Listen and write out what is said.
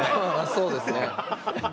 そうですね。